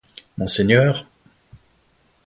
Monseigneur...